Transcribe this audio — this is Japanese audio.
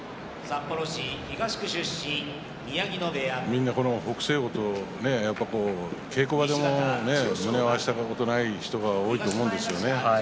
みんな北青鵬と稽古場でも胸を合わせたことがないと思うんですよね。